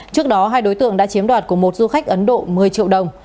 trước đó hai đối tượng đã chiếm đoạt của một du khách ấn độ một mươi triệu đồng